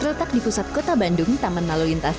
terletak di pusat kota bandung taman lalu lintas